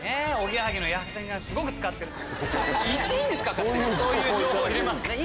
言っていいんですか⁉そういう情報入れます。